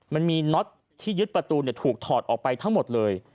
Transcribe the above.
มันมีน็อตที่ยึดประตูถูกถอดออกไปทั้งหมดเลย